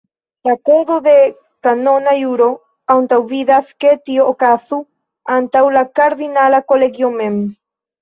La kodo de kanona juro antaŭvidas ke tio okazu antaŭ la kardinala kolegio mem.